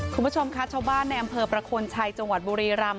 คุณผู้ชมคะชาวบ้านในอำเภอประโคนชัยจังหวัดบุรีรำ